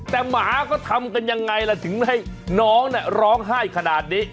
แต่หมาก็ทำกันยังไงล่ะถึงให้น้องร้องไห้ขนาดนี้